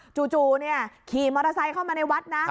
จู่ขี่มอเตอร์ไซค์เข้ามาในวัดนะ